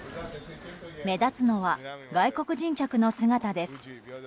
目立つのは外国人客の姿です。